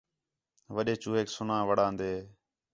وݙّے چوہیک سُنا وڑان٘دے